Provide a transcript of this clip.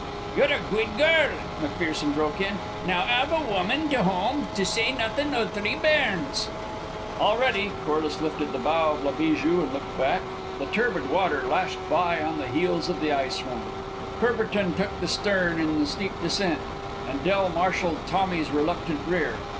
"You're a guid girl," McPherson broke in. "Now, a've a wumman to home, to say naething o' three bairns " "All ready!" Corliss lifted the bow of La Bijou and looked back. The turbid water lashed by on the heels of the ice run. Courbertin took the stern in the steep descent, and Del marshalled Tommy's reluctant rear.